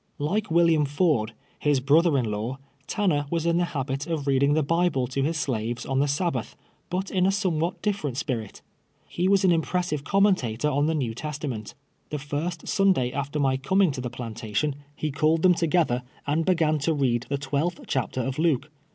Like AYilliam Ford, his brother in law. Tanner was in the habit of reading the Bible to his slaves on the Sabbath, but in a somewhat different spirit. He was an impressive commentator on the Xew Testament. The first Sunday after my coming to the plantation, 128 TWELVE YEAKS A SLAVE. lie called tliem together, and becan to read the twelfth chapter of Luke.